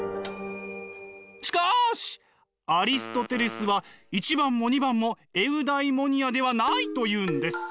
しかしアリストテレスは１番も２番もエウダイモニアではないと言うんです。